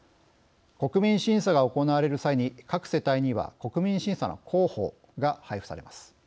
国民審査が行われる際に各世帯には国民審査の公報が配布されます。